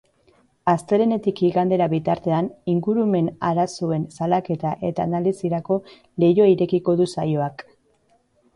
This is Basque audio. Astelehenetik igandera bitartean, ingurumen-arazoen salaketa eta analisirako leihoa irekiko du saioak.